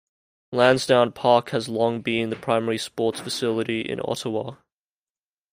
Lansdowne Park has long been the primary sports facility in Ottawa.